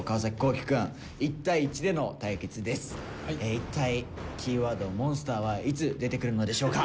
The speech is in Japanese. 一体キーワード「モンスター」はいつ出てくるのでしょうか。